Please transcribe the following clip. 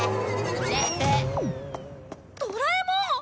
ドラえもん！